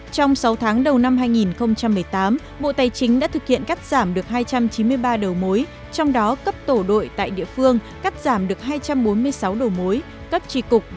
tổng cục thuế cấp giảm bảy trăm linh đồ mối cấp tổ đội thuộc tri cục